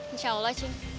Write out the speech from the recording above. insya allah cing